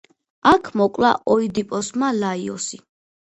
აქ მოკლა ოიდიპოსმა ლაიოსი.